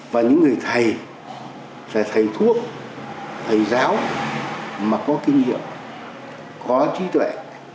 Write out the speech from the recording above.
và những người thầy là thầy thuốc thầy giáo mà có kinh nghiệm có trí tuệ